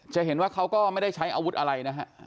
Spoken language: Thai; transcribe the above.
จะเห็นว่าเขาก็ไม่ได้ใช้อาวุธอะไรนะฮะ